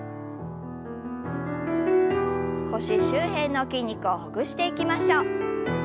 腰周辺の筋肉をほぐしていきましょう。